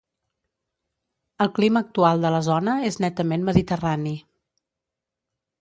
El clima actual de la zona és netament mediterrani.